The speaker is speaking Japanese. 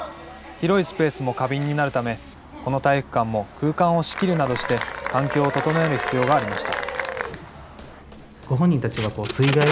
広いスペースも過敏になるためこの体育館も空間を仕切るなどして環境を整える必要がありました。